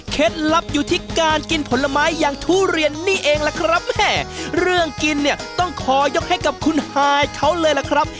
ลับอยู่ที่การกินผลไม้อย่างทุเรียนนี่เองล่ะครับแม่เรื่องกินเนี่ยต้องขอยกให้กับคุณฮายเขาเลยล่ะครับ